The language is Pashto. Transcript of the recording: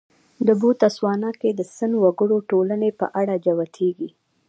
د بوتسوانا کې د سن وګړو ټولنې په اړه جوتېږي.